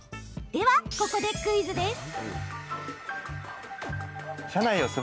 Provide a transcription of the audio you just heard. では、ここでクイズです！